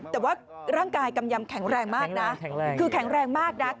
แต่ว่าร่างกายกำยำแข็งแรงมากนะคือแข็งแรงมากนะ